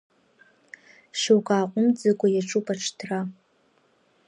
Шьоук ааҟәымҵӡакәа иаҿуп аҿыҭра…